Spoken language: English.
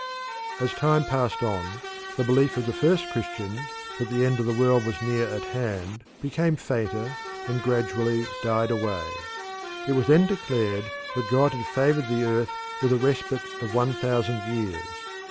As time passed on, the belief of the first Christians that the end of the world was near at hand became fainter and gradually died away. It was then declared that God had favoured the earth with a respite of one thousand years.